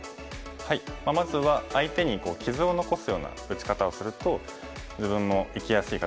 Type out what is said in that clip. まずは相手に傷を残すような打ち方をすると自分の生きやすい形になります。